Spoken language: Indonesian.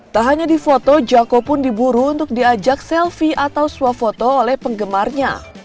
tak hanya di foto jako pun diburu untuk diajak selfie atau swafoto oleh penggemarnya